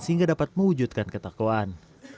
sehingga dapat mewujudkan ketakuan